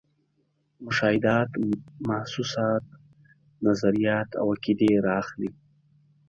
مشاهدات، محسوسات، نظریات او عقیدې را اخلي.